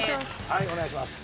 はいお願いします。